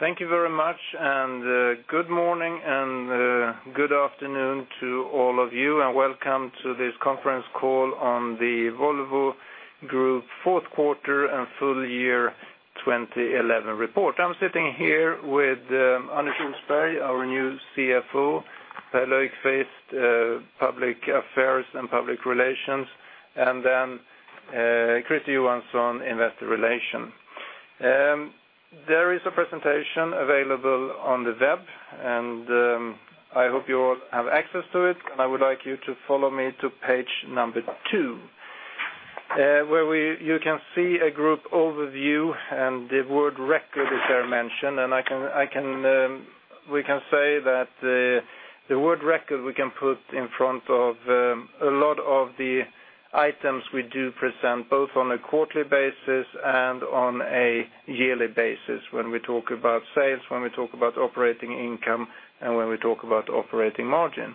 Thank you very much, and good morning and good afternoon to all of you, and welcome to this conference call on the Volvo Group Fourth Quarter and Full Year 2011 Report. I'm sitting here with Anders Rosberg, our new CFO, who faces Public Affairs and Public Relations, and then Krister Johansson, Investor Relations. There is a presentation available on the web, and I hope you all have access to it, and I would like you to follow me to page number two, where you can see a group overview, and the word "record" is there mentioned. We can say that the word "record" we can put in front of a lot of the items we do present both on a quarterly basis and on a yearly basis when we talk about sales, when we talk about operating income, and when we talk about operating margin.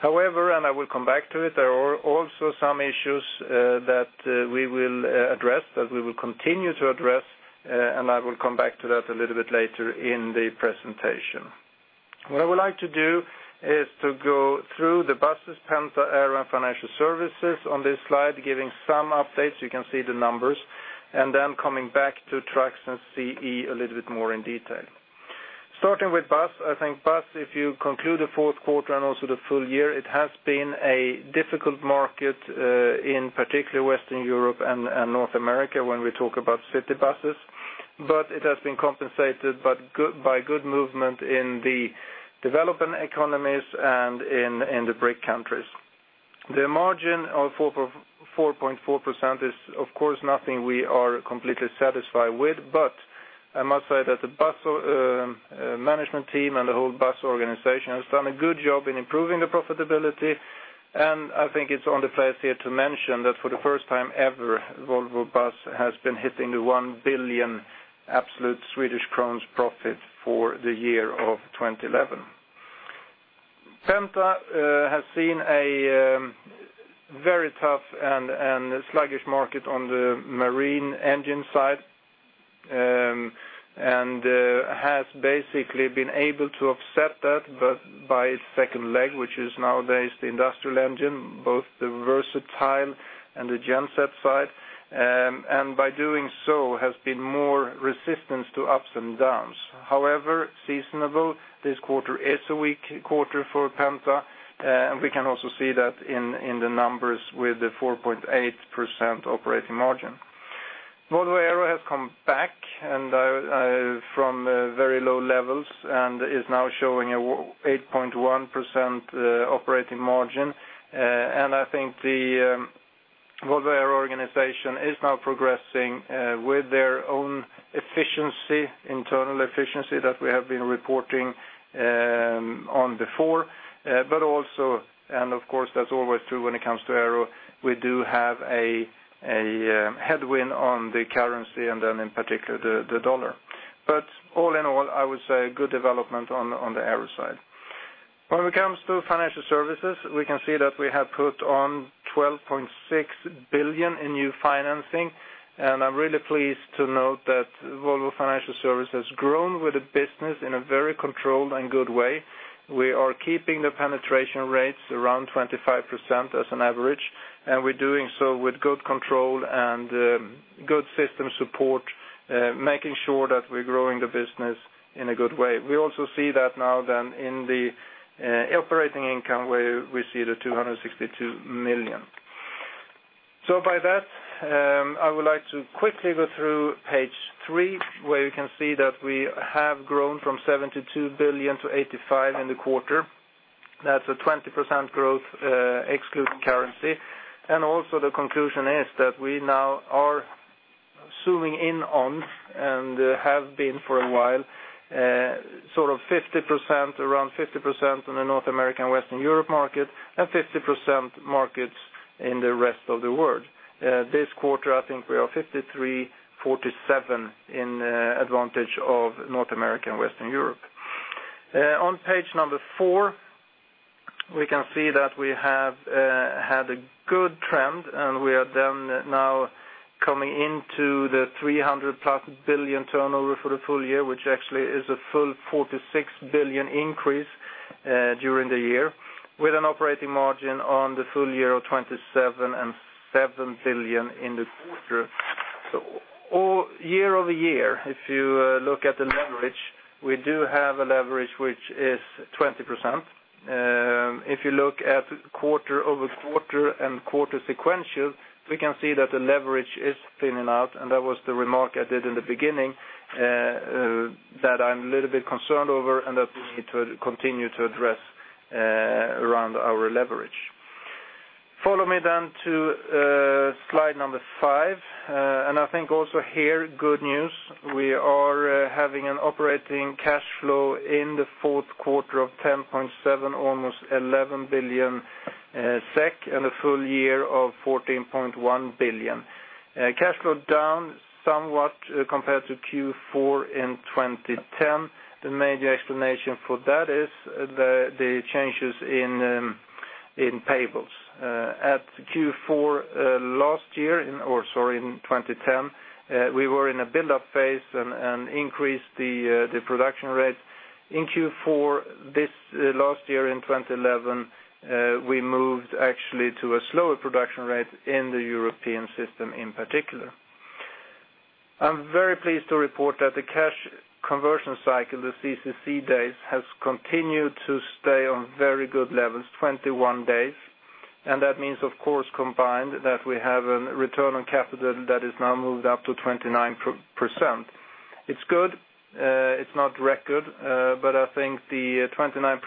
However, I will come back to it, there are also some issues that we will address, that we will continue to address, and I will come back to that a little bit later in the presentation. What I would like to do is to go through the Buses, Penta, Aero, and Financial Services on this slide, giving some updates. You can see the numbers, and then coming back to Trucks and CE a little bit more in detail. Starting with Bus, I think Bus, if you conclude the fourth quarter and also the full year, it has been a difficult market in particular Western Europe and North America when we talk about city buses, but it has been compensated by good movement in the developing economies and in the BRIC countries. The margin of 4.4% is, of course, nothing we are completely satisfied with, but I must say that the Bus management team and the whole Bus organization has done a good job in improving the profitability, and I think it's on the place here to mention that for the first time ever, Volvo Buses has been hitting the 1 billion absolute Swedish krona profit for the year of 2011. Penta has seen a very tough and sluggish market on the marine engine side and has basically been able to offset that by its second leg, which is nowadays the industrial engine, both the versatile and the genset side, and by doing so, has been more resistant to ups and downs. However, seasonable, this quarter is a weak quarter for Penta, and we can also see that in the numbers with the 4.8% operating margin. Volvo Aero has come back from very low levels and is now showing an 8.1% operating margin, and I think the Volvo Aero organization is now progressing with their own internal efficiency that we have been reporting on before, but also, of course, that's always true when it comes to Aero, we do have a headwind on the currency and in particular the dollar. All in all, I would say a good development on the Aero side. When it comes to financial services, we can see that we have put on 12.6 billion in new financing, and I'm really pleased to note that Volvo Financial Services has grown with the business in a very controlled and good way. We are keeping the penetration rates around 25% as an average, and we're doing so with good control and good system support, making sure that we're growing the business in a good way. We also see that now in the operating income where we see the 262 million. By that, I would like to quickly go through page three where you can see that we have grown from 72 billion-85 billion in the quarter. That's a 20% growth excluding currency, and also the conclusion is that we now are zooming in on and have been for a while sort of 50%, around 50% on the North American and Western Europe market, and 50% markets in the rest of the world. This quarter, I think we are 53, 47 in advantage of North America and Western Europe. On page number four, we can see that we have had a good trend, and we are now coming into the +300 billion turnover for the full year, which actually is a full 46 billion increase during the year, with an operating margin on the full year of 27.7 billion in the quarter. Year over year, if you look at the leverage, we do have a leverage which is 20%. If you look at quarter over quarter and quarter sequential, we can see that the leverage is thinning out, and that was the remark I did in the beginning that I'm a little bit concerned over and that we need to continue to address around our leverage. Follow me to slide number five, and I think also here good news, we are having an operating cash flow in the fourth quarter of 10.7 billion, almost 11 billion SEK, and a full year of 14.1 billion. Cash flow down somewhat compared to Q4 in 2010. The major explanation for that is the changes in payables. At Q4 last year, or sorry, in 2010, we were in a build-up phase and increased the production rates. In Q4 this last year in 2011, we moved actually to a slower production rate in the European system in particular. I'm very pleased to report that the cash conversion cycle, the CCC days, has continued to stay on very good levels, 21 days, and that means, of course, combined that we have a return on capital that has now moved up to 29%. It's good. It's not record, but I think the 29%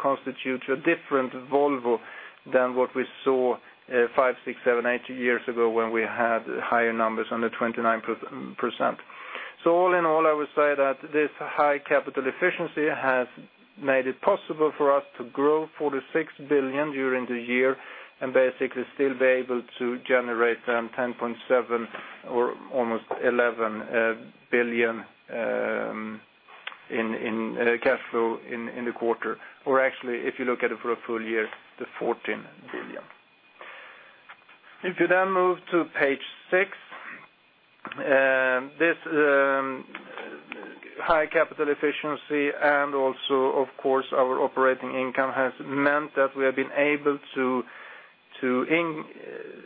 constitutes a different Volvo than what we saw five, six, seven, eight years ago when we had higher numbers on the 29%. All in all, I would say that this high capital efficiency has made it possible for us to grow 46 billion during the year and basically still be able to generate 10.7 billion or almost 11 billion in cash flow in the quarter, or actually, if you look at it for a full year, the 14 billion. If you then move to page six, this high capital efficiency and also, of course, our operating income has meant that we have been able to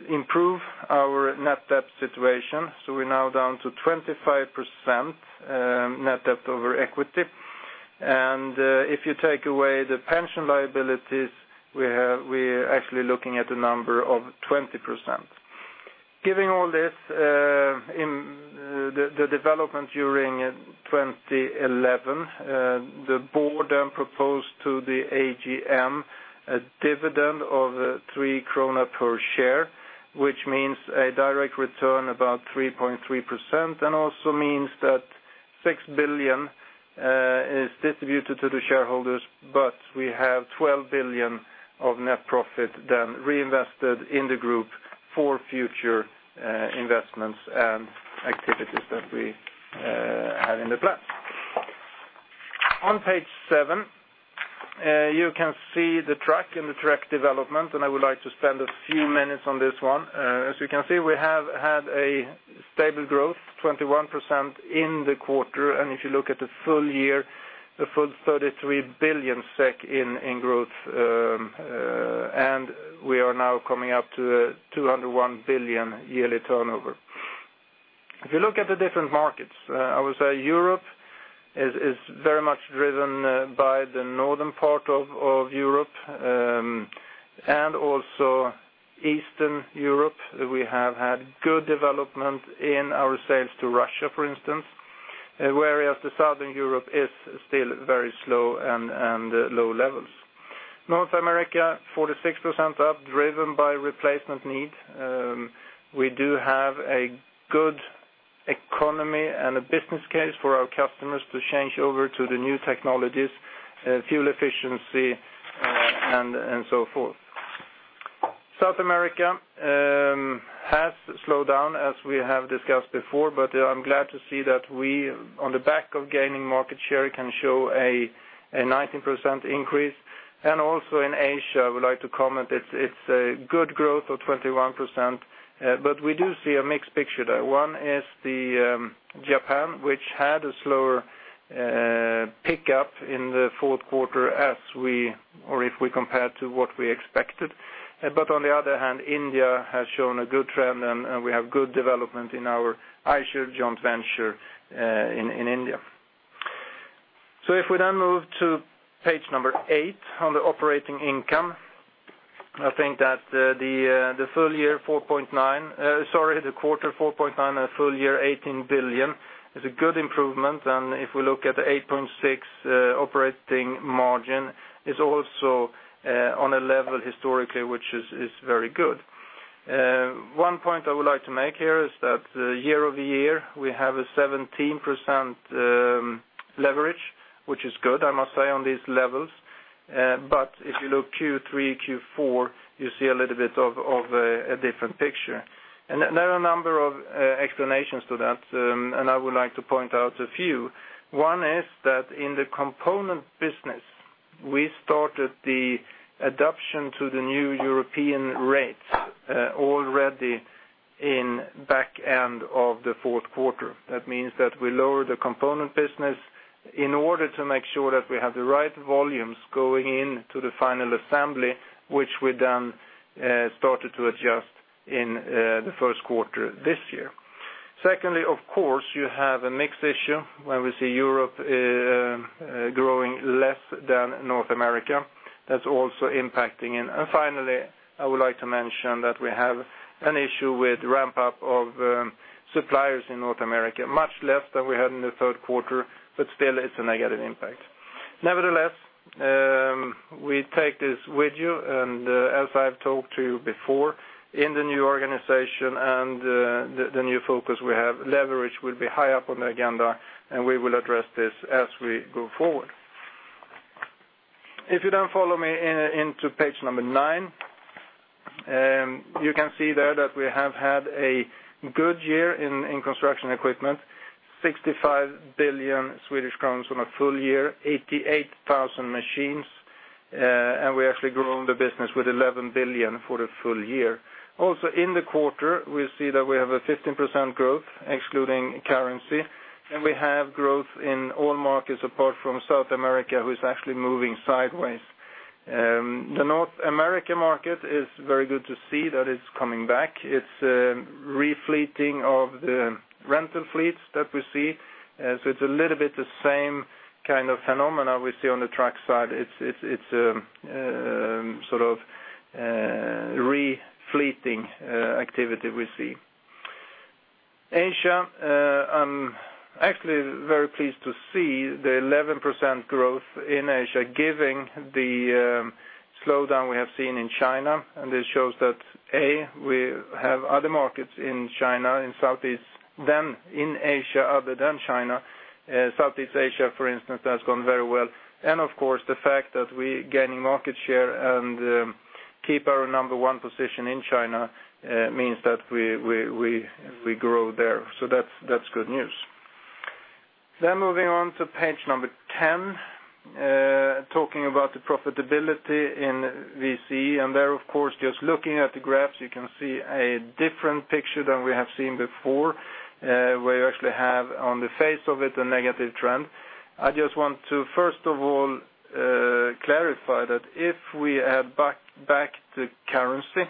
improve our net debt situation. We're now down to 25% net debt over equity, and if you take away the pension liabilities, we're actually looking at a number of 20%. Giving all this, in the development during 2011, the board then proposed to the AGM a dividend of 3 krona per share, which means a direct return about 3.3% and also means that 6 billion is distributed to the shareholders, but we have 12 billion of net profit then reinvested in the group for future investments and activities that we have in the plans. On page seven, you can see the track in the track development, and I would like to spend a few minutes on this one. As you can see, we have had a stable growth, 21% in the quarter, and if you look at the full year, a full 33 billion SEK in growth, and we are now coming up to a 201 billion yearly turnover. If you look at the different markets, I would say Europe is very much driven by the northern part of Europe and also Eastern Europe. We have had good development in our sales to Russia, for instance, whereas the Southern Europe is still very slow and low levels. North America, 46% up, driven by replacement need. We do have a good economy and a business case for our customers to change over to the new technologies, fuel efficiency, and so forth. South America has slowed down, as we have discussed before, but I'm glad to see that we, on the back of gaining market share, can show a 19% increase. Also in Asia, I would like to comment it's a good growth of 21%, but we do see a mixed picture there. One is Japan, which had a slower pickup in the fourth quarter if we compare to what we expected. On the other hand, India has shown a good trend, and we have good development in our iShares joint venture in India. If we then move to page number eight on the operating income, I think that the full year 4.9 billion, sorry, the quarter 4.9 billion and full year 18 billion is a good improvement. If we look at the 8.6% operating margin, it's also on a level historically which is very good. One point I would like to make here is that year over year, we have a 17% leverage, which is good, I must say, on these levels. If you look Q3, Q4, you see a little bit of a different picture. There are a number of explanations to that, and I would like to point out a few. One is that in the component business, we started the adoption to the new European rates already in the back end of the fourth quarter. That means that we lowered the component business in order to make sure that we have the right volumes going into the final assembly, which we then started to adjust in the first quarter this year. Secondly, of course, you have a mixed issue when we see Europe growing less than North America. That's also impacting. Finally, I would like to mention that we have an issue with ramp-up of suppliers in North America, much less than we had in the third quarter, but still, it's a negative impact. Nevertheless, we take this with you, and as I've told you before, in the new organization and the new focus we have, leverage will be high up on the agenda, and we will address this as we go forward. If you then follow me into page number nine, you can see there that we have had a good year in construction equipment, 65 billion Swedish crowns on a full year, 88,000 machines, and we actually grow the business with 11 billion for the full year. Also, in the quarter, we see that we have a 15% growth excluding currency. We have growth in all markets apart from South America, which is actually moving sideways. The North American market is very good to see that it's coming back. It's a refleeting of the rental fleets that we see. It's a little bit the same kind of phenomena we see on the truck side. It's sort of a refleeting activity we see. Asia, I'm actually very pleased to see the 11% growth in Asia, given the slowdown we have seen in China, and this shows that, A, we have other markets in Asia other than China. Southeast Asia, for instance, has gone very well. The fact that we're gaining market share and keep our number one position in China means that we grow there. That's good news. Moving on to page number 10, talking about the profitability in VC an there of course, just looking at the graphs, you can see a different picture than we have seen before, where you actually have on the face of it a negative trend. I just want to, first of all, clarify that if we had backed the currency,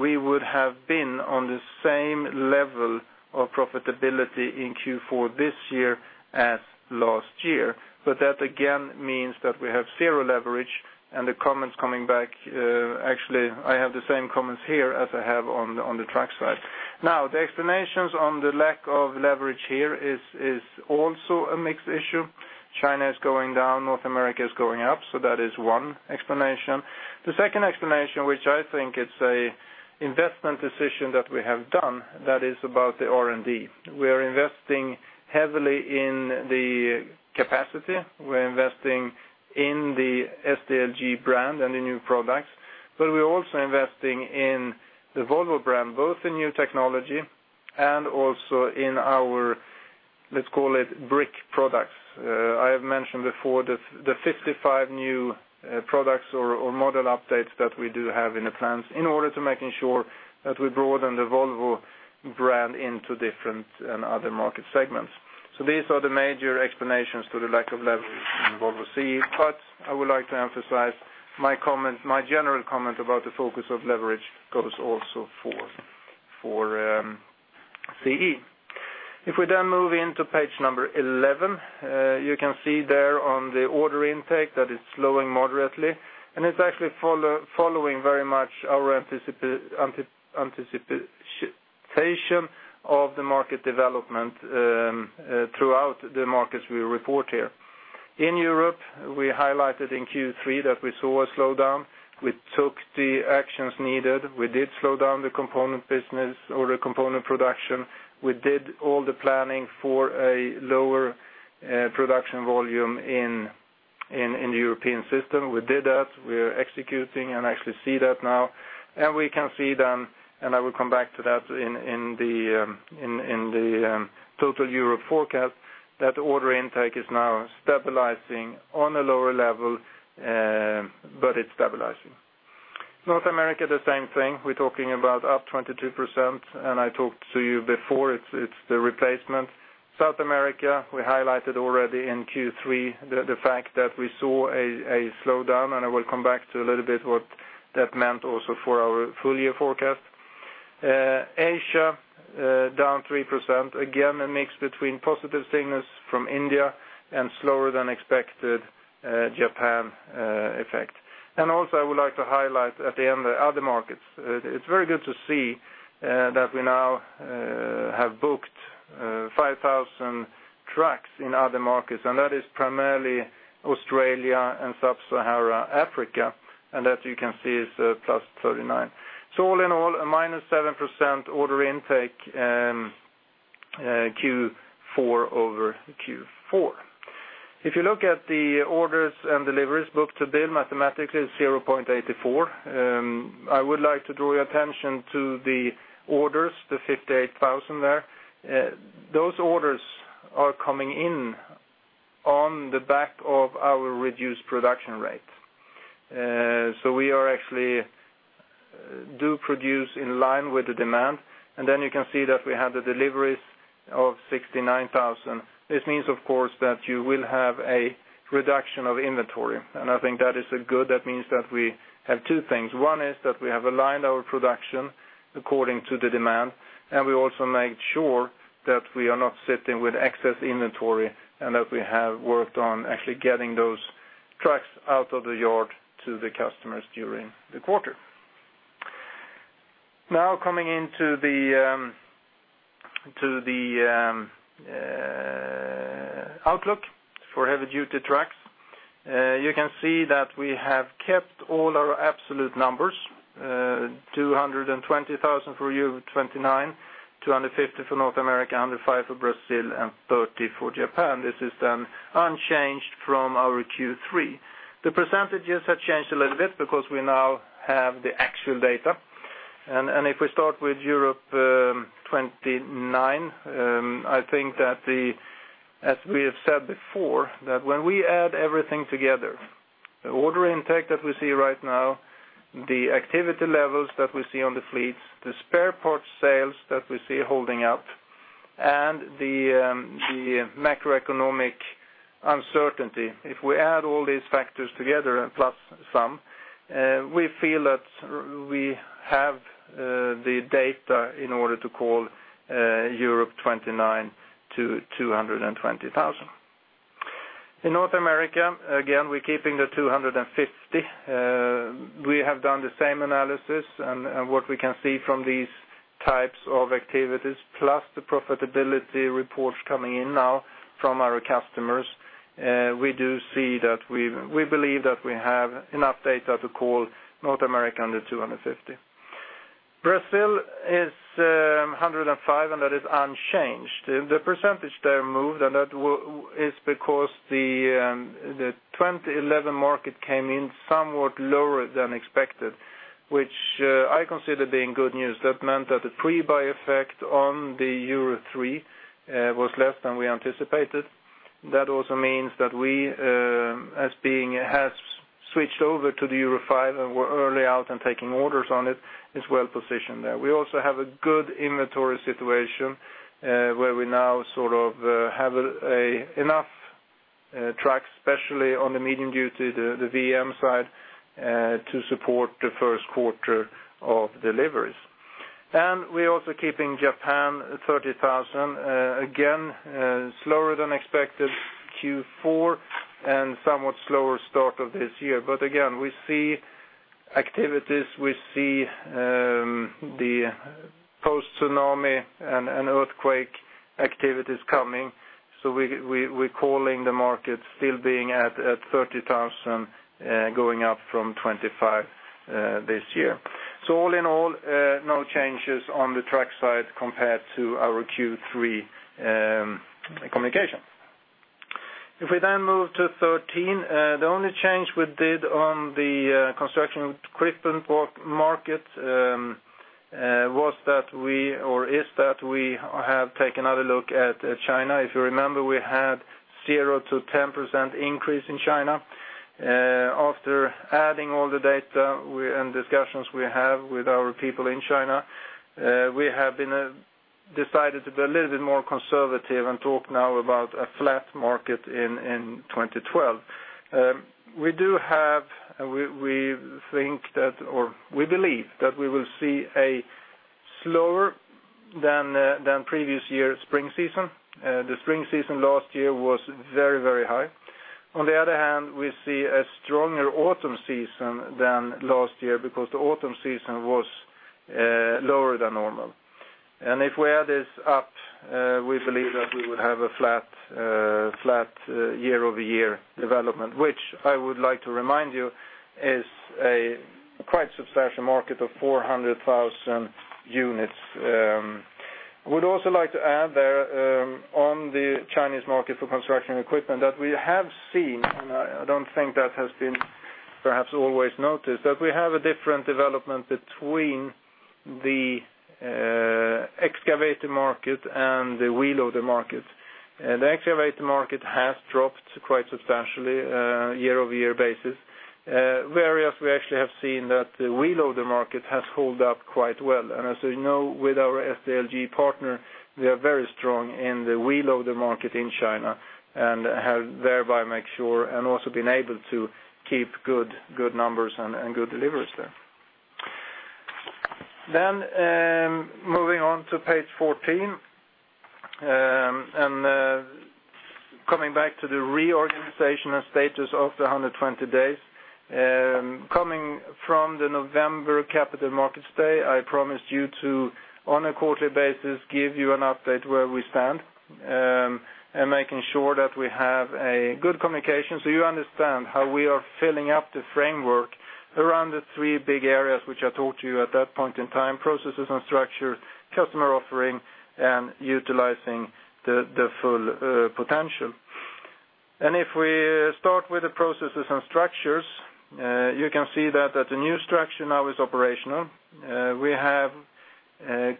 we would have been on the same level of profitability in Q4 this year as last year. That again means that we have zero leverage, and the comments coming back, actually, I have the same comments here as I have on the truck side. The explanations on the lack of leverage here is also a mixed issue. China is going down, North America is going up. That is one explanation. The second explanation, which I think is an investment decision that we have done, is about the R&D. We are investing heavily in the capacity. We're investing in the SDLG brand and the new products, but we're also investing in the Volvo brand, both in new technology and also in our, let's call it, BRIC products. I have mentioned before the 55 new products or model updates that we do have in the plans in order to make sure that we broaden the Volvo brand into different and other market segments. These are the major explanations to the lack of leverage in Volvo CE products, but I would like to emphasize my comment, my general comment about the focus of leverage goes also for VC. If we move into page number 11, you can see there on the order intake that it's slowing moderately, and it's actually following very much our anticipation of the market development throughout the markets we report here. In Europe, we highlighted in Q3 that we saw a slowdown. We took the actions needed. We did slow down the component business or the component production. We did all the planning for a lower production volume in the European system. We did that. We are executing and actually see that now. We can see then, and I will come back to that in the total Europe forecast, that order intake is now stabilizing on a lower level, but it's stabilizing. North America, the same thing. We're talking about up 22%, and I talked to you before, it's the replacement. South America, we highlighted already in Q3 the fact that we saw a slowdown, and I will come back to a little bit what that meant also for our full year forecast. Asia, down 3%, again a mix between positive signals from India and slower than expected Japan effect. I would like to highlight at the end the other markets. It's very good to see that we now have booked 5,000 trucks in other markets, and that is primarily Australia and Sub-Saharan Africa, and that you can see is +39%. All in all, a -7% order intake Q4 over Q4. If you look at the orders and deliveries booked to bill, mathematically, it's 0.84. I would like to draw your attention to the orders, the 58,000 there. Those orders are coming in on the back of our reduced production rate. We are actually doing produce in line with the demand, and then you can see that we had the deliveries of 69,000. This means, of course, that you will have a reduction of inventory, and I think that is a good, that means that we have two things. One is that we have aligned our production according to the demand, and we also made sure that we are not sitting with excess inventory and that we have worked on actually getting those trucks out of the yard to the customers during the quarter. Now, coming into the outlook for heavy-duty trucks, you can see that we have kept all our absolute numbers: 220,000 for Europe 29, 250,000 for North America, 105,000 for Brazil, and 30,000 for Japan. This is then unchanged from our Q3. The percentages have changed a little bit because we now have the actual data. If we start with Europe 29, I think that, as we have said before, when we add everything together, the order intake that we see right now, the activity levels that we see on the fleets, the spare parts sales that we see holding out, and the macroeconomic uncertainty, if we add all these factors together and plus some, we feel that we have the data in order to call Europe 29 to 220,000. In North America, again, we're keeping the 250,000. We have done the same analysis and what we can see from these types of activities, plus the profitability reports coming in now from our customers, we do see that we believe that we have enough data to call North America under 250,000. Brazil is 105,000, and that is unchanged. The percentage there moved, and that is because the 2011 market came in somewhat lower than expected, which I consider being good news. That meant that the pre-buy effect on the Euro 3 was less than we anticipated. That also means that we, as being has switched over to the Euro 5 and were early out and taking orders on it, is well positioned there. We also have a good inventory situation where we now sort of have enough trucks, especially on the medium duty, the VM side, to support the first quarter of deliveries. We're also keeping Japan 30,000, again, slower than expected Q4 and somewhat slower start of this year. Again, we see activities, we see the post-tsunami and earthquake activities coming. We're calling the market still being at 30,000, going up from 25,000 this year. All in all, no changes on the track side compared to our Q3 communication. If we then move to 13, the only change we did on the construction crisp market was that we, or is that we have taken another look at China. If you remember, we had a 0%-10% increase in China. After adding all the data and discussions we have with our people in China, we have decided to be a little bit more conservative and talk now about a flat market in 2012. We do have, we think that, or we believe that we will see a slower than previous year spring season. The spring season last year was very, very high. On the other hand, we see a stronger autumn season than last year because the autumn season was lower than normal. If we add this up, we believe that we would have a flat year-over-year development, which I would like to remind you is a quite substantial market of 400,000 units. I would also like to add there on the Chinese market for construction equipment that we have seen, and I don't think that has been perhaps always noticed, that we have a different development between the excavator market and the wheel loader market. The excavator market has dropped quite substantially on a year-over-year basis, whereas we actually have seen that the wheel loader market has held up quite well. As you know, with our SDLG partner, they are very strong in the wheel loader market in China and have thereby made sure and also been able to keep good numbers and good deliveries there. Moving on to page 14 and coming back to the reorganization and status of the 120 days. Coming from the November Capital Markets Day, I promised you to, on a quarterly basis, give you an update where we stand and making sure that we have a good communication so you understand how we are filling up the framework around the three big areas which I talked to you at that point in time: processes and structure, customer offering, and utilizing the full potential. If we start with the processes and structures, you can see that the new structure now is operational. We have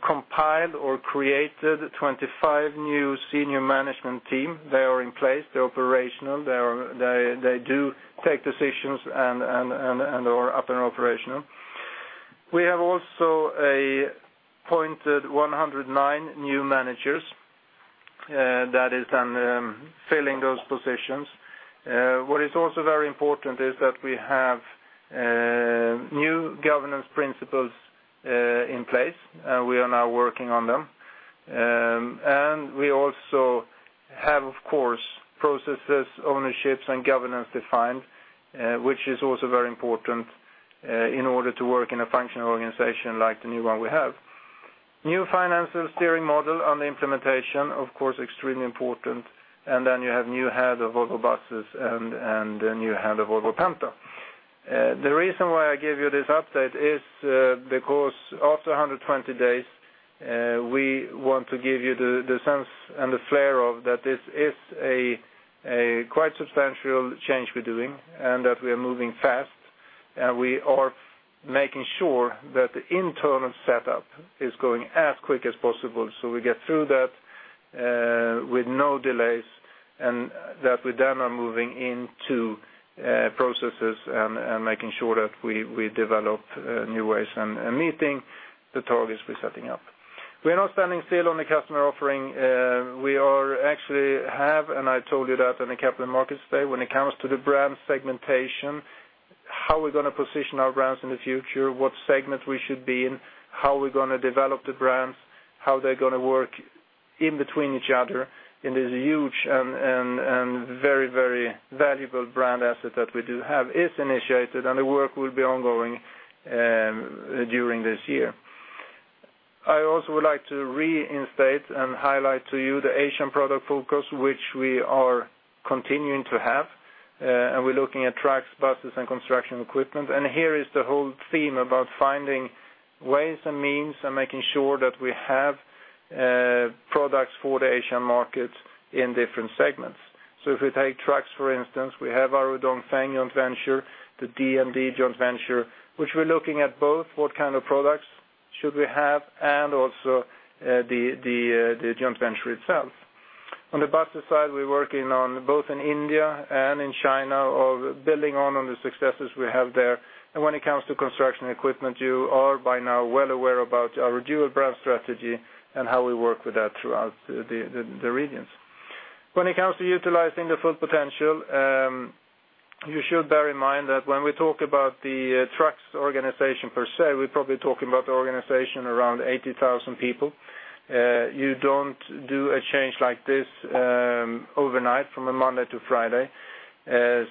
compiled or created 25 new Senior Management teams. They are in place. They're operational. They do take decisions and are operational. We have also appointed 109 new managers that are then filling those positions. What is also very important is that we have new governance principles in place, and we are now working on them. We also have, of course, processes, ownerships, and governance defined, which is also very important in order to work in a functional organization like the new one we have. New financial steering model and the implementation, of course, extremely important. You have a new head of Volvo Buses and a new head of Volvo Penta. The reason why I give you this update is because after 120 days, we want to give you the sense and the flair of that this is a quite substantial change we're doing and that we are moving fast. We are making sure that the internal setup is going as quick as possible so we get through that with no delays and that we then are moving into processes and making sure that we develop new ways and meeting the targets we're setting up. We're not standing still on the customer offering. We actually have, and I told you that on the Capital Markets Day, when it comes to the brand segmentation, how we're going to position our brands in the future, what segment we should be in, how we're going to develop the brands, how they're going to work in between each other in this huge and very, very valuable brand asset that we do have is initiated, and the work will be ongoing during this year. I also would like to reinstate and highlight to you the Asian product focus, which we are continuing to have, and we're looking at trucks, buses, and construction equipment. Here is the whole theme about finding ways and means and making sure that we have products for the Asian markets in different segments. If we take trucks, for instance, we have our Dongfeng joint venture, the DND joint venture, which we're looking at, both what kind of products should we have and also the joint venture itself. On the buses side, we're working both in India and in China, building on the successes we have there. When it comes to construction equipment, you are by now well aware about our dual brand strategy and how we work with that throughout the regions. When it comes to utilizing the full potential, you should bear in mind that when we talk about the trucks organization per se, we're probably talking about the organization around 80,000 people. You don't do a change like this overnight from a Monday to Friday.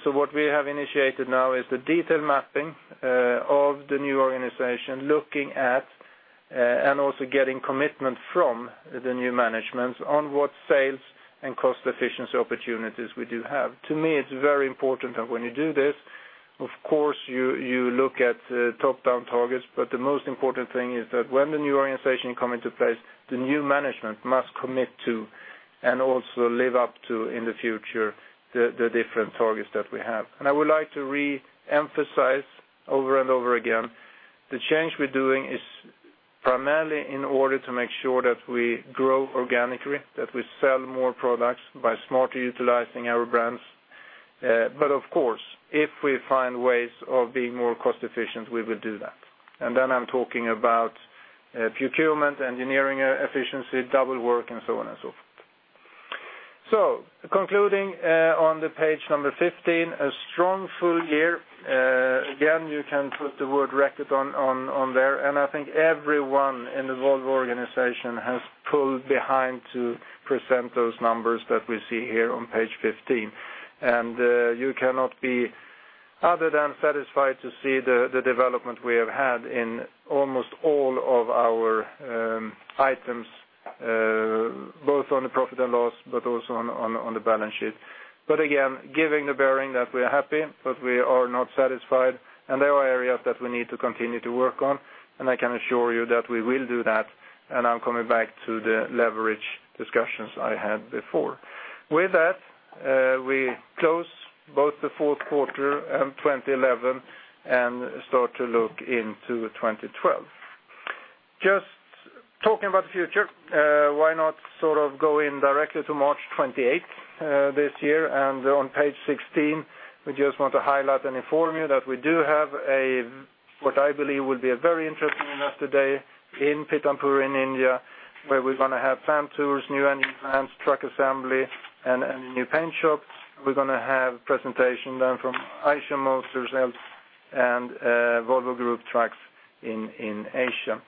What we have initiated now is the detailed mapping of the new organization, looking at and also getting commitment from the new managements on what sales and cost efficiency opportunities we do have. To me, it's very important that when you do this, of course, you look at top-down targets, but the most important thing is that when the new organization comes into place, the new management must commit to and also live up to in the future the different targets that we have. I would like to reemphasize over and over again, the change we're doing is primarily in order to make sure that we grow organically, that we sell more products by smarter utilizing our brands. Of course, if we find ways of being more cost efficient, we will do that. I'm talking about procurement, engineering efficiency, double work, and so on and so forth. Concluding on the page number 15, a strong full year. Again, you can put the word "record" on there, and I think everyone in the Volvo organization has pulled behind to present those numbers that we see here on page 15. You cannot be other than satisfied to see the development we have had in almost all of our items, both on the profit and loss, but also on the balance sheet. Again, giving the bearing that we are happy, but we are not satisfied, and there are areas that we need to continue to work on, and I can assure you that we will do that. I'm coming back to the leverage discussions I had before. With that, we close both the fourth quarter and 2011 and start to look into 2012. Just talking about the future, why not sort of go in directly to March 28th this year? On page 16, we just want to highlight and inform you that we do have what I believe will be a very interesting investor day in Pithampur in India, where we're going to have plant tours, new and truck assembly, and a new paint shop. We're going to have a presentation then from Eicher Motors and Volvo Group trucks in Asia.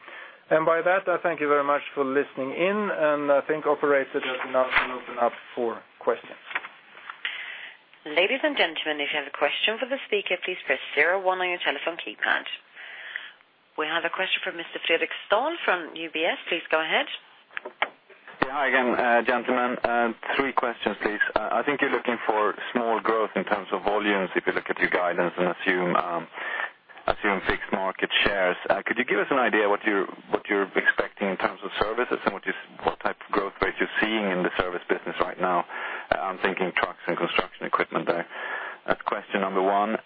By that, I thank you very much for listening in, and I think operator does not open up for questions. Ladies and gentlemen, if you have a question for the speaker, please press zero one on your telephone keypad. We have a question from Mr. Fredrik Ståhl from UBS. Please go ahead. Yeah, hi again, gentlemen. Three questions, please. I think you're looking for small growth in terms of volumes if you look at your guidance and assume fixed market shares. Could you give us an idea of what you're expecting in terms of services and what type of growth rates you're seeing in the service business right now? I'm thinking trucks and construction equipment there. That's question number one.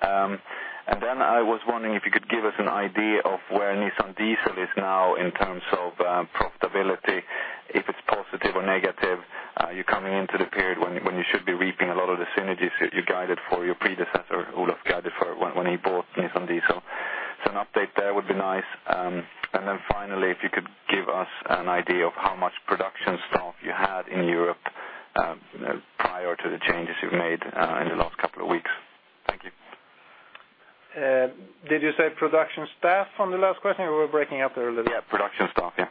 I was wondering if you could give us an idea of where Nissan Diesel is now in terms of profitability, if it's positive or negative. You're coming into the period when you should be reaping a lot of the synergies that your predecessor, Olof, guided for when he bought Nissan Diesel. An update there would be nice. Finally, if you could give us an idea of how much production staff you had in Europe prior to the changes you've made in the last couple of weeks. Thank you. Did you say production staff on the last question? We were breaking up there a little bit. Yeah, production staff, yeah.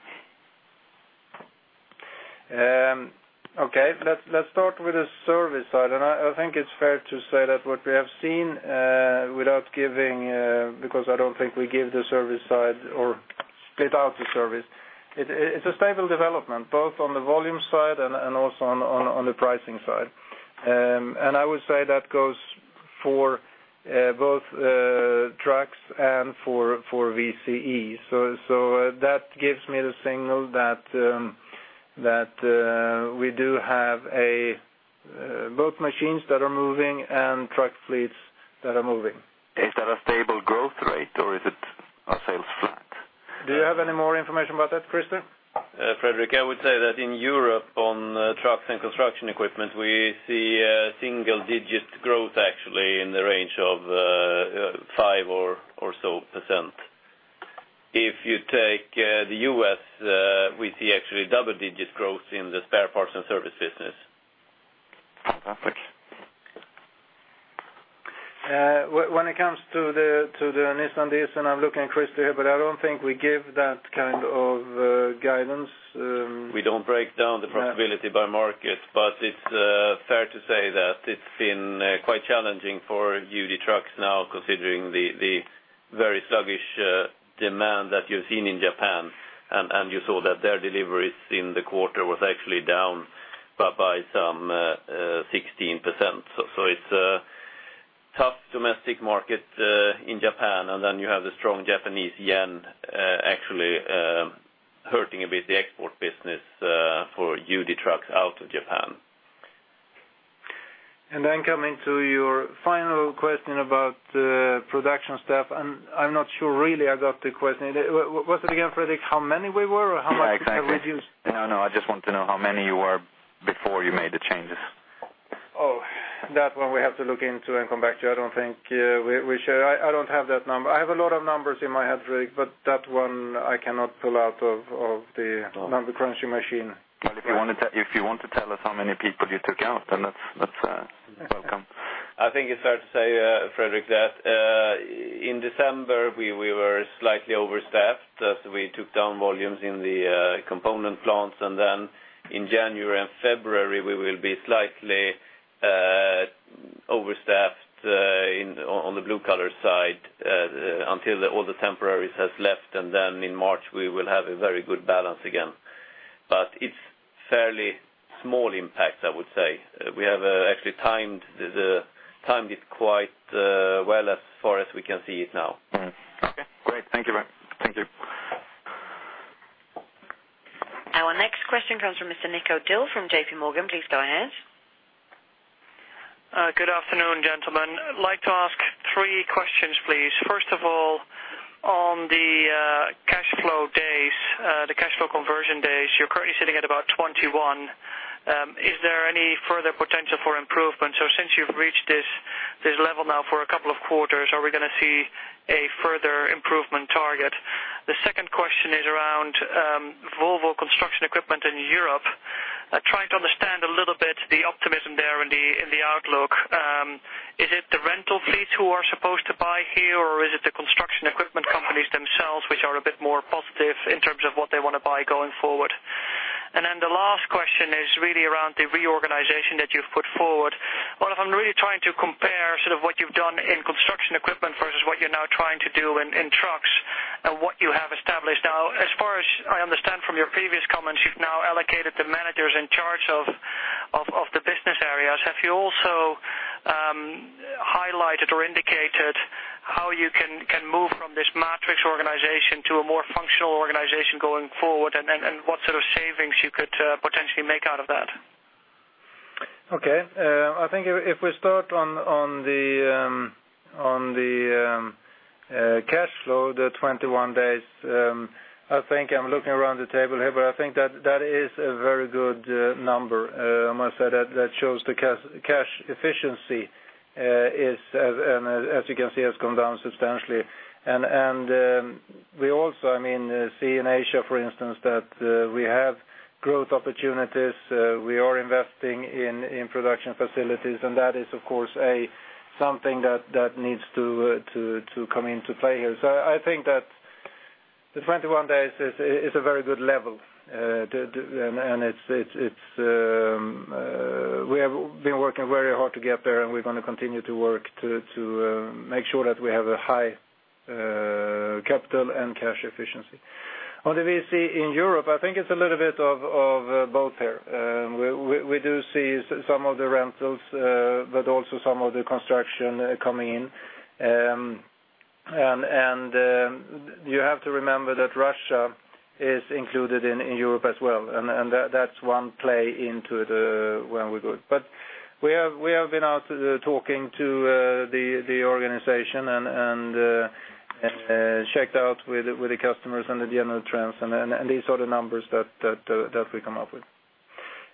Okay, let's start with the service side. I think it's fair to say that what we have seen, without giving, because I don't think we give the service side or spit out the service, it's a stable development both on the volume side and also on the pricing side. I would say that goes for both trucks and for VCE. That gives me the signal that we do have both machines that are moving and truck fleets that are moving. Is that a stable growth rate, or is it a sales flat? Do you have any more information about that, Krister? Fredrik, I would say that in Europe on trucks and construction equipment, we see a single-digit growth actually in the range of 5% or so. If you take the U.S., we see actually double-digit growth in the spare parts and service business. Perfect. When it comes to the Nissan Diesel, I'm looking, Krister, but I don't think we give that kind of guidance. We don't break down the profitability by market, but it's fair to say that it's been quite challenging for UD Trucks now considering the very sluggish demand that you've seen in Japan. You saw that their deliveries in the quarter were actually down by some 16%. It's a tough domestic market in Japan, and the strong Japanese yen is actually hurting a bit the export business for UD Trucks out of Japan. Coming to your final question about production staff, I'm not sure I really got the question. Was it again, Fredrik, how many we were or how much we reduced? No, I just want to know how many you were before you made the changes. Oh, that one we have to look into and come back to. I don't think we should. I don't have that number. I have a lot of numbers in my head, Fredrik, but that one I cannot pull out of the number-crunching machine. If you want to tell us how many people you took out, then that's welcome. I think it's fair to say, Fredrik, that in December we were slightly overstaffed as we took down volumes in the component plants, and in January and February we will be slightly overstaffed on the blue-collar side until all the temporaries have left. In March we will have a very good balance again. It is a fairly small impact, I would say. We have actually timed it quite well as far as we can see it now. Okay, great. Thank you, thank you. Our next question comes from Mr. Nico Dill from JPMorgan. Please go ahead. Good afternoon, gentlemen. I'd like to ask three questions, please. First of all, on the cash flow days, the cash flow conversion days, you're currently sitting at about 21. Is there any further potential for improvement? Since you've reached this level now for a couple of quarters, are we going to see a further improvement target? The second question is around Volvo Construction Equipment in Europe. I'm trying to understand a little bit the optimism there in the outlook. Is it the rental fees who are supposed to buy here, or is it the construction equipment companies themselves which are a bit more positive in terms of what they want to buy going forward? The last question is really around the reorganization that you've put forward. Olof, I'm really trying to compare sort of what you've done in construction equipment versus what you're now trying to do in trucks and what you have established. As far as I understand from your previous comments, you've now allocated the managers in charge of the business areas. Have you also highlighted or indicated how you can move from this matrix organization to a more functional organization going forward and what sort of savings you could potentially make out of that? Okay. I think if we start on the cash flow, the 21 days, I think I'm looking around the table here, but I think that that is a very good number. I must say that that shows the cash efficiency is, and as you can see, has come down substantially. We also, I mean, see in Asia, for instance, that we have growth opportunities. We are investing in production facilities, and that is, of course, something that needs to come into play here. I think that the 21 days is a very good level, and we have been working very hard to get there, and we are going to continue to work to make sure that we have a high capital and cash efficiency. On the VC in Europe, I think it's a little bit of both there. We do see some of the rentals, but also some of the construction coming in. You have to remember that Russia is included in Europe as well, and that's one play into where we go. We have been out talking to the organization and checked out with the customers and the general trends, and these are the numbers that we come up with.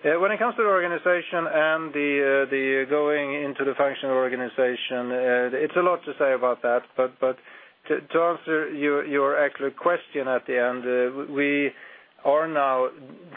When it comes to the organization and the going into the functional organization, it's a lot to say about that. To answer your actual question at the end, we are now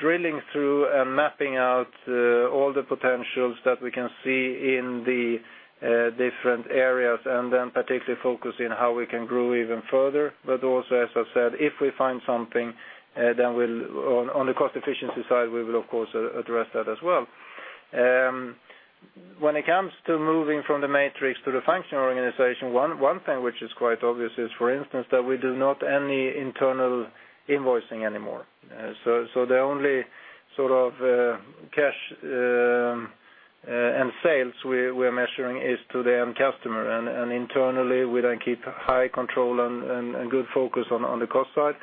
drilling through and mapping out all the potentials that we can see in the different areas and then particularly focusing on how we can grow even further. Also, as I've said, if we find something, then on the cost efficiency side, we will, of course, address that as well. When it comes to moving from the matrix to the functional organization, one thing which is quite obvious is, for instance, that we do not have any internal invoicing anymore. The only sort of cash and sales we're measuring is to the end customer. Internally, we then keep high control and good focus on the cost side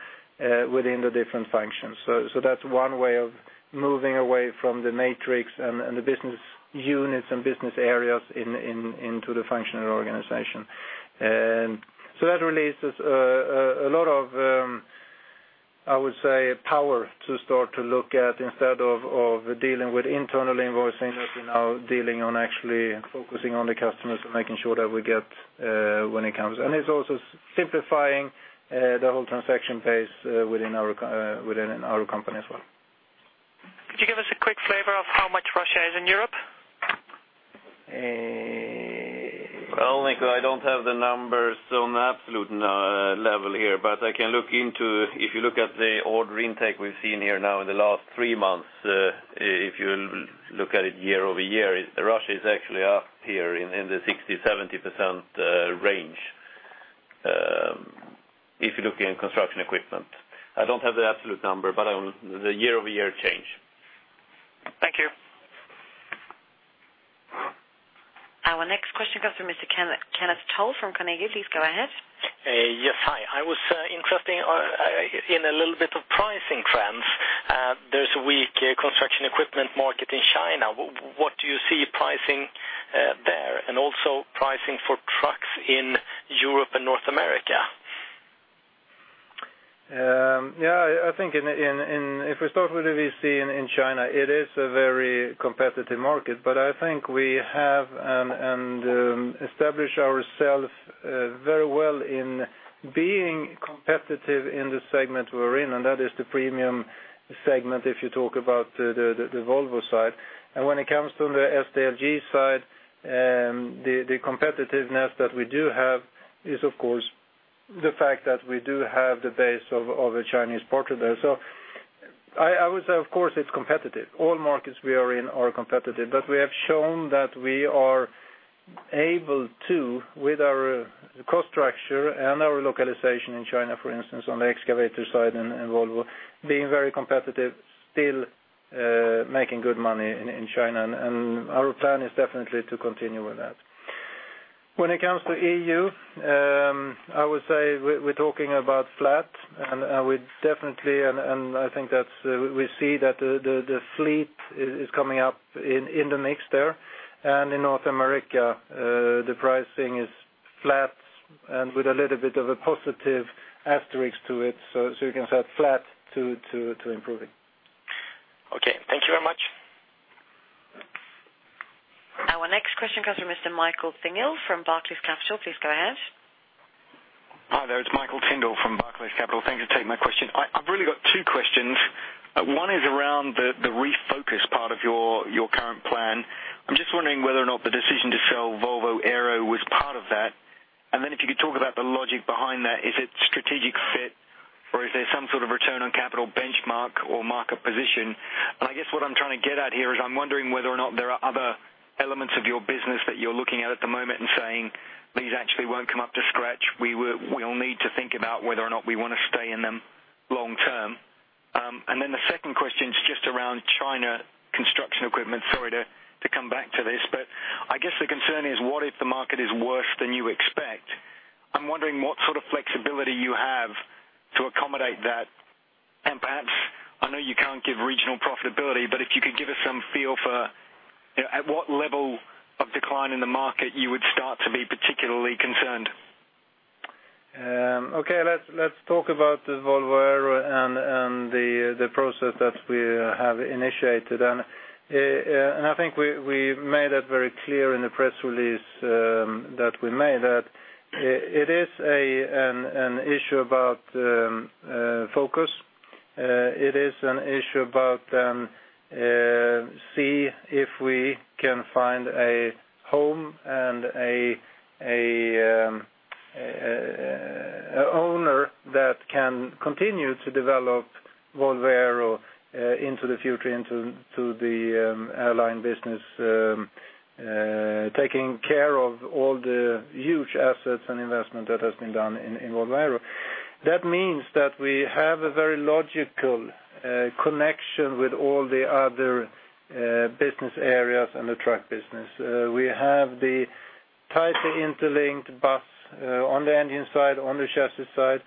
within the different functions. That's one way of moving away from the matrix and the business units and business areas into the functional organization. That releases a lot of, I would say, power to start to look at instead of dealing with internal invoicing as in now dealing on actually focusing on the customers and making sure that we get when it comes. It's also simplifying the whole transaction base within our company as well. Could you give us a quick flavor of how much Russia is in Europe? Niko, I don't have the numbers on the absolute level here, but I can look into if you look at the order intake we've seen here now in the last three months. If you look at it year over year, Russia is actually up here in the 60%-70% range if you're looking at construction equipment. I don't have the absolute number, but the year-over-year change. Thank you. Our next question goes to Mr. Kenneth Toll from Carnegie. Please go ahead. Yes, hi. I was interested in a little bit of pricing trends. There's a weak construction equipment market in China. What do you see pricing there, and also pricing for trucks in Europe and North America? Yeah, I think if we start with the VCE in China, it is a very competitive market, but I think we have established ourselves very well in being competitive in the segment we're in, and that is the premium segment if you talk about the Volvo side. When it comes to the SDLG side, the competitiveness that we do have is, of course, the fact that we do have the base of a Chinese partner there. I would say, of course, it's competitive. All markets we are in are competitive, but we have shown that we are able to, with our cost structure and our localization in China, for instance, on the excavator side and Volvo, being very competitive, still making good money in China. Our plan is definitely to continue with that. When it comes to EU, I would say we're talking about flat, and we definitely, and I think that we see that the fleet is coming up in the mix there. In North America, the pricing is flat and with a little bit of a positive asterisk to it. You can say flat to improving. Okay, thank you very much. Our next question comes from Mr. Michael Tyndall from Barclays Capital. Please go ahead. Hi there. It's Michael Tyndall from Barclays Capital. Thank you for taking my question. I've really got two questions. One is around the refocus part of your current plan. I'm just wondering whether or not the decision to sell Volvo Aero was part of that. If you could talk about the logic behind that, is it strategic fit or is there some sort of return on capital benchmark or market position? I guess what I'm trying to get at here is I'm wondering whether or not there are other elements of your business that you're looking at at the moment and saying, "These actually won't come up to scratch. We'll need to think about whether or not we want to stay in them long term." The second question is just around China construction equipment. Sorry to come back to this, but I guess the concern is what if the market is worse than you expect? I'm wondering what sort of flexibility you have to accommodate that. I know you can't give regional profitability, but if you could give us some feel for at what level of decline in the market you would start to be particularly concerned. Okay, let's talk about the Volvo Aero and the process that we have initiated. I think we made it very clear in the press release that we made that it is an issue about focus. It is an issue about seeing if we can find a home and an owner that can continue to develop Volvo Aero into the future, into the airline business, taking care of all the huge assets and investment that has been done in Volvo Aero. That means that we have a very logical connection with all the other business areas and the truck business. We have the tightly interlinked bus on the engine side, on the chassis side.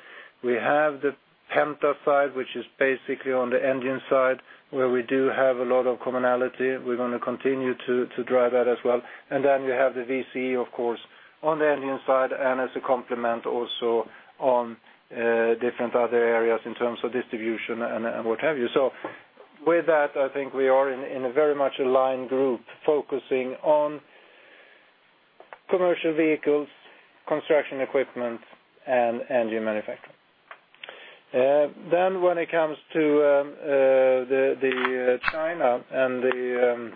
We have the Penta side, which is basically on the engine side, where we do have a lot of commonality. We are going to continue to drive that as well. You have the VCE, of course, on the engine side and as a complement also on different other areas in terms of distribution and what have you. With that, I think we are in a very much aligned group focusing on commercial vehicles, construction equipment, and engine manufacturing. When it comes to China and the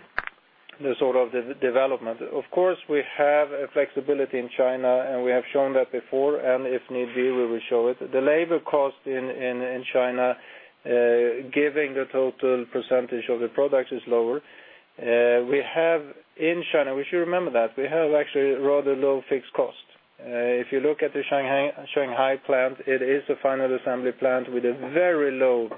sort of development, of course, we have a flexibility in China, and we have shown that before, and if need be, we will show it. The labor cost in China, given the total percent of the product, is lower. We have in China, we should remember that, we have actually a rather low fixed cost. If you look at the Shanghai plant, it is the final assembly plant with a very low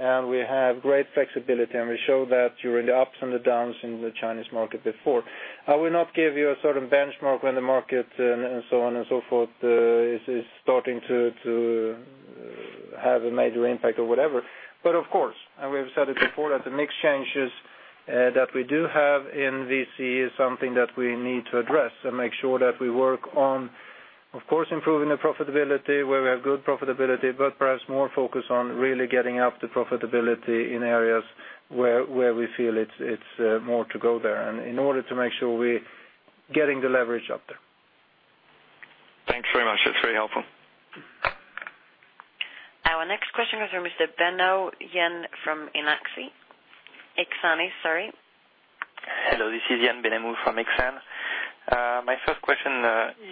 break-even. We have great flexibility, and we showed that during the ups and the downs in the Chinese market before. I will not give you a certain benchmark when the market and so on and so forth is starting to have a major impact or whatever. Of course, and we've said it before, the mixed changes that we do have in VCE is something that we need to address and make sure that we work on, of course, improving the profitability where we have good profitability, but perhaps more focus on really getting up the profitability in areas where we feel it's more to go there. In order to make sure we're getting the leverage up there. Thanks very much. That's very helpful. Our next question goes from Mr. Benhamou Yann from Inaxi. Exane, sorry. Hello, this is Yann Benhamou from Exane. My first question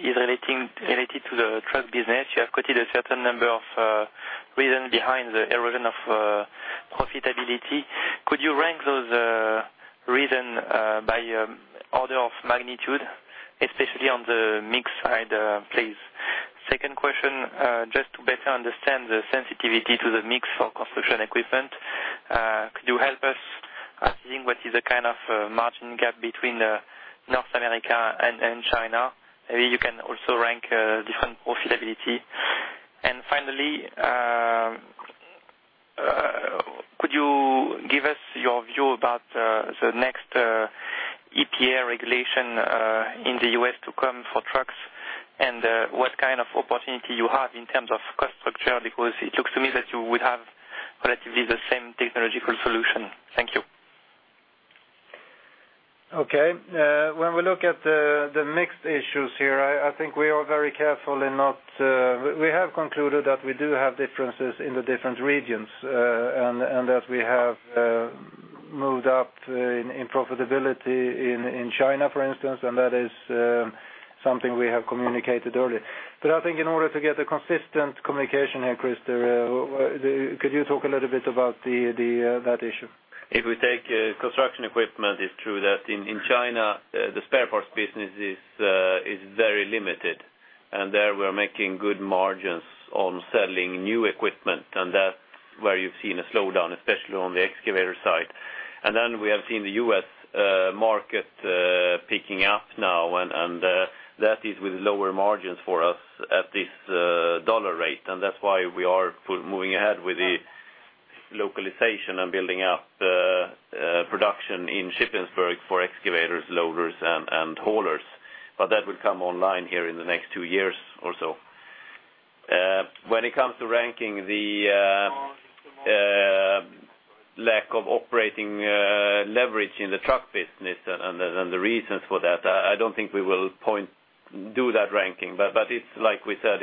is related to the truck business. You have quoted a certain number of reasons behind the erosion of profitability. Could you rank those reasons by order of magnitude, especially on the mix side, please? Second question, just to better understand the sensitivity to the mix for construction equipment, could you help us seeing what is the kind of margin gap between North America and China? Maybe you can also rank different profitability. Finally, could you give us your view about the next EPA regulation in the U.S. to come for trucks and what kind of opportunity you have in terms of cost structure? Because it looks to me that you would have relatively the same technological solution. Thank you. Okay. When we look at the mixed issues here, I think we are very careful in not, we have concluded that we do have differences in the different regions and that we have moved up in profitability in China, for instance, and that is something we have communicated earlier. I think in order to get a consistent communication here, Krister, could you talk a little bit about that issue? If we take construction equipment, it's true that in China, the spare parts business is very limited, and there we're making good margins on selling new equipment. That's where you've seen a slowdown, especially on the excavator side. We have seen the U.S. market picking up now, and that is with lower margins for us at this dollar rate. That is why we are moving ahead with the localization and building up production in Shippensburg for excavators, loaders, and haulers. That will come online here in the next two years or so. When it comes to ranking the lack of operating leverage in the truck business and the reasons for that, I don't think we will point to that ranking. Like we said,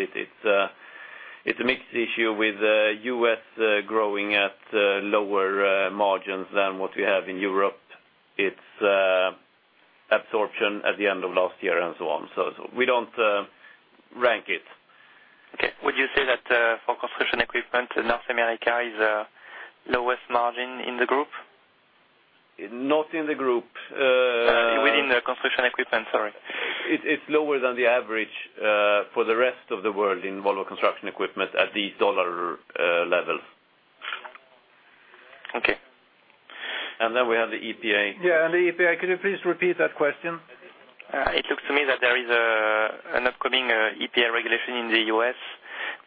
it's a mixed issue with the U.S. growing at lower margins than what we have in Europe. It's absorption at the end of last year and so on. We don't rank it. Okay. Would you say that for construction equipment, North America is the lowest margin in the group? Not in the group. Within the construction equipment, sorry. It's lower than the average for the rest of the world in Volvo Construction Equipment at the dollar level. Okay. We have the EPA. Could you please repeat that question? It looks to me that there is an upcoming EPA regulation in the U.S.,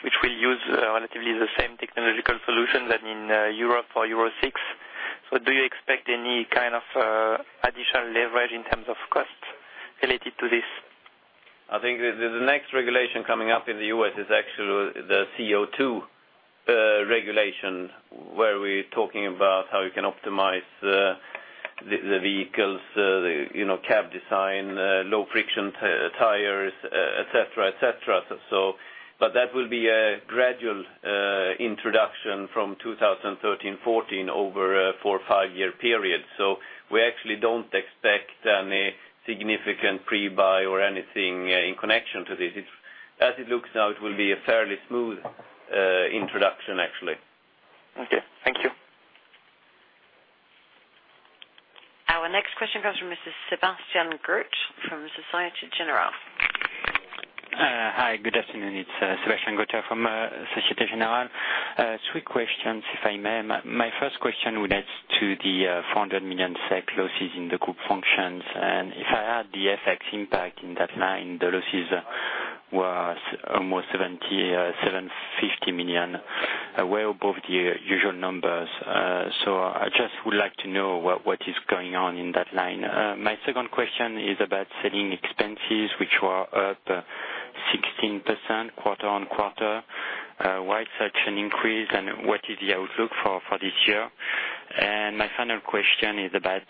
which will use relatively the same technological solution as in Europe for Euro 6. Do you expect any kind of additional leverage in terms of cost related to this? I think the next regulation coming up in the U.S. is actually the CO2 regulation, where we're talking about how you can optimize the vehicles, the cab design, low-friction tires, etc., etc. That will be a gradual introduction from 2013, 2014 over a four or five-year period. We actually don't expect any significant pre-buy or anything in connection to this. As it looks now, it will be a fairly smooth introduction, actually. Okay, thank you. Our next question comes from Mr. Sébastien Gruter from Société Générale. Hi, good afternoon. It's Sébastien Gruter from Société Générale. Three questions, if I may. My first question relates to the 400 million SEK losses in the group functions. If I add the FX impact in that line, the losses were almost 750 million, way above the usual numbers. I just would like to know what is going on in that line. My second question is about selling expenses, which were up 16% quarter on quarter. Why is such an increase, and what is the outlook for this year? My final question is about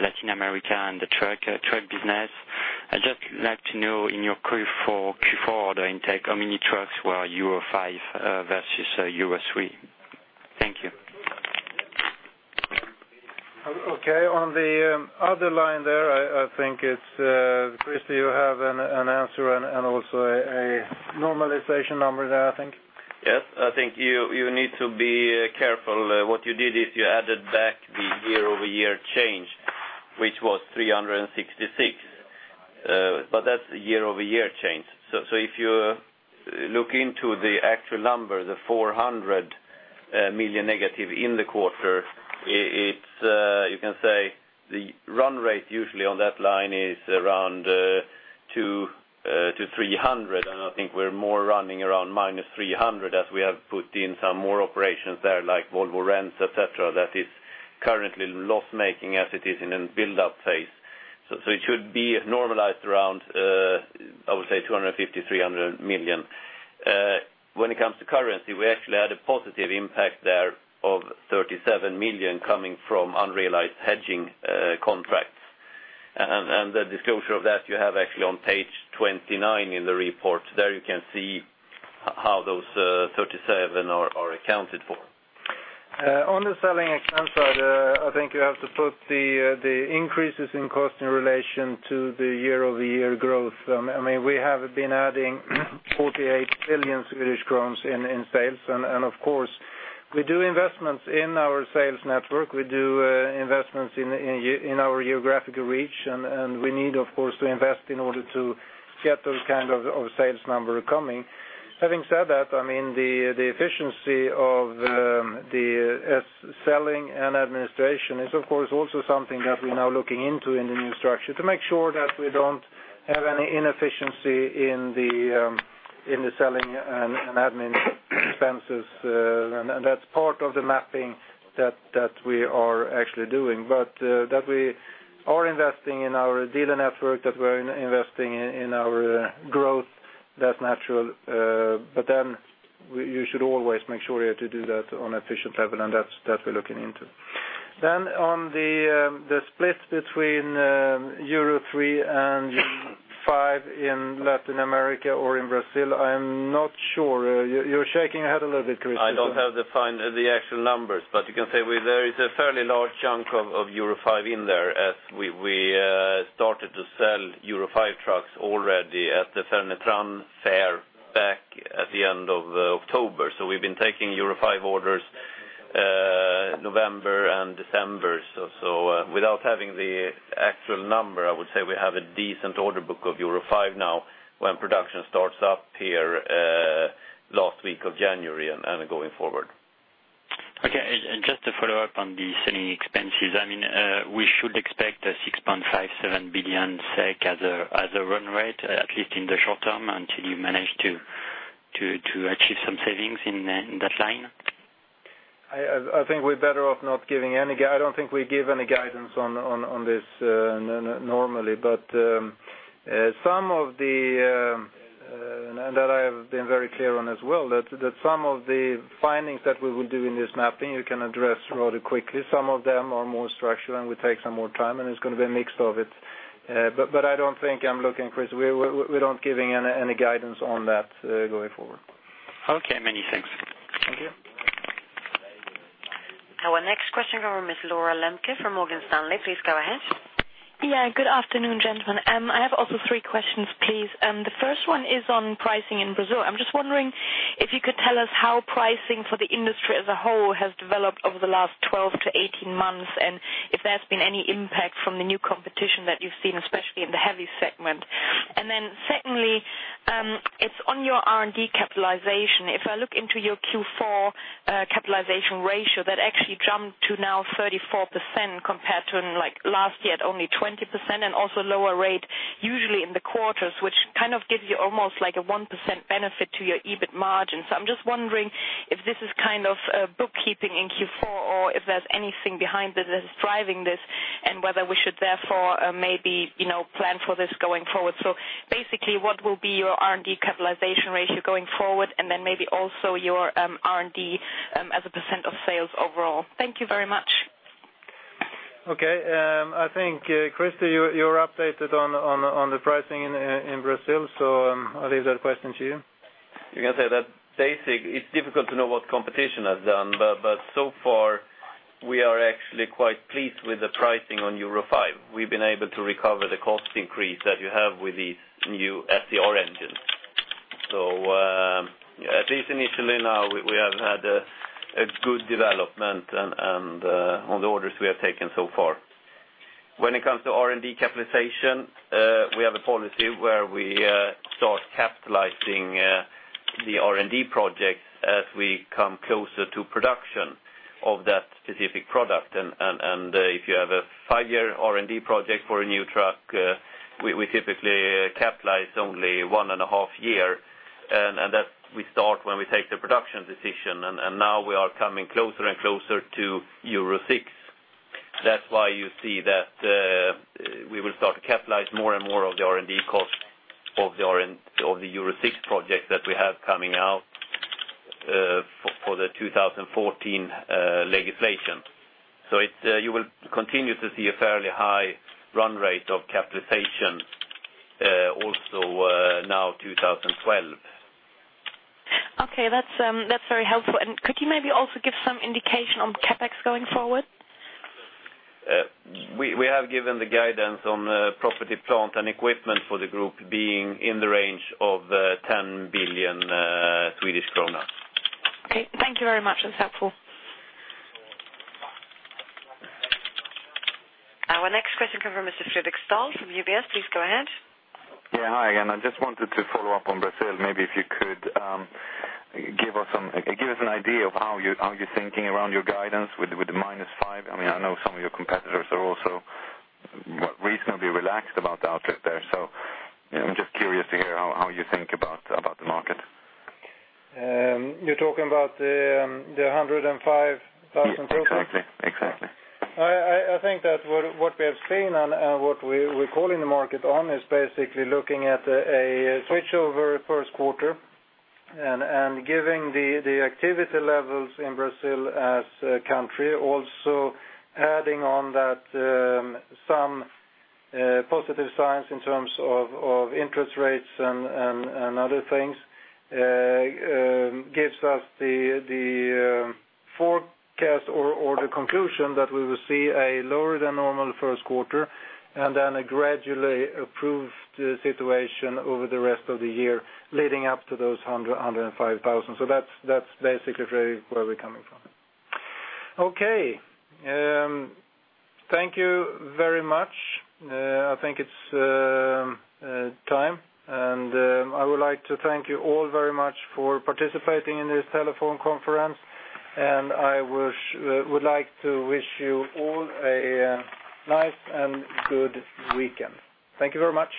Latin America and the truck business. I'd just like to know in your call for Q4 order intake how many trucks were Euro 5 versus Euro 3. Thank you. Okay, on the other line there, I think it's Krister Johansson, you have an answer and also a normalization number there, I think. Yes, I think you need to be careful. What you did is you added back the year-over-year change, which was 366 million. That's a year-over-year change. If you look into the actual number, the 400 million negative in the quarter, you can say the run rate usually on that line is around 200 million-300 million. I think we're more running around minus 300 million as we have put in some more operations there, like Volvo Rents, etc., that is currently loss-making as it is in a build-up phase. It should be normalized around, I would say, 250 million-300 million. When it comes to currency, we actually had a positive impact there of 37 million coming from unrealized hedging contracts. The disclosure of that, you have actually on page 29 in the report. There you can see how those 37 million are accounted for. On the selling expense, I think you have to put the increases in cost in relation to the year-over-year growth. I mean, we have been adding 48 billion Swedish kronor in sales. Of course, we do investments in our sales network, we do investments in our geographical reach, and we need, of course, to invest in order to get those kinds of sales numbers coming. Having said that, the efficiency of the selling and administration is, of course, also something that we're now looking into in the new structure to make sure that we don't have any inefficiency in the selling and admin expenses. That's part of the mapping that we are actually doing. That we are investing in our dealer network, that we're investing in our growth, that's natural. You should always make sure to do that on an efficient level, and that's what we're looking into. On the splits between Euro 3 and 5 in Latin America or in Brazil, I'm not sure. You're shaking your head a little bit, Krister. I don't have the actual numbers, but you can say there is a fairly large chunk of Euro 5 in there as we started to sell Euro 5 trucks already at the Fenatran fair back at the end of October. We've been taking Euro 5 orders in November and December. Without having the actual number, I would say we have a decent order book of Euro 5 now when production starts up here last week of January and going forward. Okay, just to follow up on the selling expenses, I mean, we should expect a 6.57 billion SEK run rate, at least in the short term, until you manage to achieve some savings in that line. I think we're better off not giving any, I don't think we give any guidance on this normally. Some of the, and that I have been very clear on as well, that some of the findings that we would do in this mapping, you can address rather quickly. Some of them are more structural, and we take some more time, and it's going to be a mix of it. I don't think I'm looking, Krister, we're not giving any guidance on that going forward. Okay, many thanks. Thank you. Our next question comes from Ms. Laura Lembke from Morgan Stanley. Please go ahead. Yeah, good afternoon, gentlemen. I have also three questions, please. The first one is on pricing in Brazil. I'm just wondering if you could tell us how pricing for the industry as a whole has developed over the last 12 to 18 months, and if there's been any impact from the new competition that you've seen, especially in the heavy segment. Secondly, it's on your R&D capitalization. If I look into your Q4 capitalization ratio, that actually jumped to now 34% compared to last year at only 20% and also a lower rate usually in the quarters, which kind of gives you almost like a 1% benefit to your EBIT margin. I'm just wondering if this is kind of bookkeeping in Q4 or if there's anything behind this that is driving this and whether we should therefore maybe plan for this going forward. Basically, what will be your R&D capitalization ratio going forward and then maybe also your R&D as a percent of sales overall? Thank you very much. Okay, I think, Krister, you're updated on the pricing in Brazil, so I'll leave that question to you. You can say that basically, it's difficult to know what competition has done, but so far, we are actually quite pleased with the pricing on Euro 5. We've been able to recover the cost increase that you have with these new FDR engines. At least in Italy now, we have had a good development on the orders we have taken so far. When it comes to R&D capitalization, we have a policy where we start capitalizing the R&D project as we come closer to production of that specific product. If you have a five-year R&D project for a new truck, we typically capitalize only one and a half years, and that we start when we take the production decision. Now we are coming closer and closer to Euro 6. That's why you see that we will start to capitalize more and more of the R&D cost of the Euro 6 projects that we have coming out for the 2014 legislation. You will continue to see a fairly high run rate of capitalization also now 2012. Okay, that's very helpful. Could you maybe also give some indication on CapEx going forward? We have given the guidance on property, plant, and equipment for the group being in the range of 10 billion Swedish kronor. Okay, thank you very much. That's helpful. Our next question comes from Mr. Fredrik Hansson from UBS. Please go ahead. Yeah, hi again. I just wanted to follow up on Brazil. Maybe if you could give us an idea of how you're thinking around your guidance with the -5%. I mean, I know some of your competitors are also reasonably relaxed about the output there. I'm just curious to hear how you think about the market. You're talking about the 105,000 total? Exactly, exactly. I think that what we have seen and what we're calling the market on is basically looking at a switchover first quarter, and giving the activity levels in Brazil as a country, also adding on that some positive signs in terms of interest rates and other things, gives us the forecast or the conclusion that we will see a lower-than-normal first quarter and then a gradually improved situation over the rest of the year leading up to those 105,000. That's basically where we're coming from. Okay, thank you very much. I think it's time, and I would like to thank you all very much for participating in this telephone conference, and I would like to wish you all a nice and good weekend. Thank you very much.